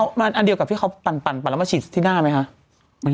มันอันเดียวกับที่เขาปั่นแล้วมาฉีดที่หน้าไหมคะ